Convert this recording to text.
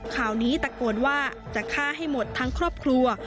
ข่าวนี้ตะโกนว่าจะฆ่าให้หมดทั้งครอบครัว